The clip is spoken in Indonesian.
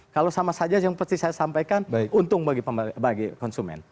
kalau sama saja yang seperti saya sampaikan untung bagi konsumen